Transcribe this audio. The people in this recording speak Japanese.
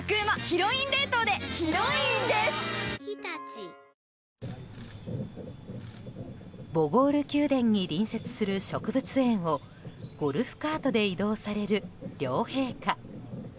シカも放し飼いのこの植物園でボゴール宮殿に隣接する植物園をゴルフカートで移動される両陛下。